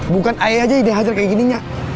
bukan aja diajar kayak gini iya